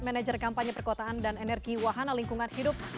manager kampanye perkotaan dan energi wahana lingkungan hidup